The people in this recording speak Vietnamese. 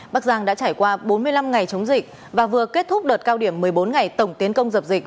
bắc giang đã trải qua bốn mươi năm ngày chống dịch và vừa kết thúc đợt cao điểm một mươi bốn ngày tổng tiến công dập dịch